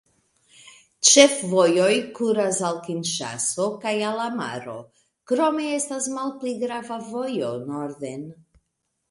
Ĉefvojoj kuras al Kinŝaso kaj al la maro, krome estas malpli grava vojo norden.